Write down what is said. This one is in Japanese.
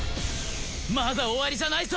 まだ終わりじゃないさ！